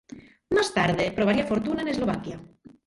Más tarde, probaría fortuna en Eslovaquia.